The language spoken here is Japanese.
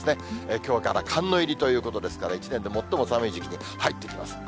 きょうから寒の入りということですから、一年で最も寒い時期に入ってきます。